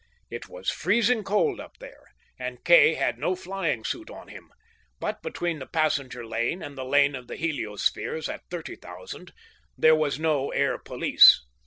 It was freezing cold up there, and Kay had no flying suit on him, but, between the passenger lane and the lane of the heliospheres, at thirty thousand, there was no air police.